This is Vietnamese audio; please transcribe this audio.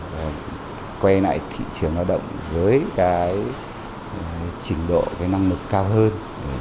và quay lại thị trường lao động với cái trình độ cái năng lực cao hơn